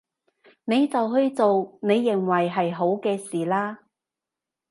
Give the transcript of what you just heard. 你就去做你認為係好嘅事啦